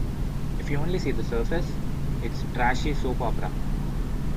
If you only see the surface, it's trashy soap opera.